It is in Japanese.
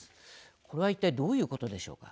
これは一体どういうことでしょうか。